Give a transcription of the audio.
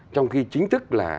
trong khi chính thức là